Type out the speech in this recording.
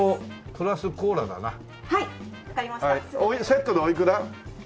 セットでおいくら？